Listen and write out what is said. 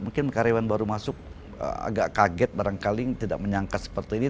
mungkin karyawan baru masuk agak kaget barangkali tidak menyangka seperti ini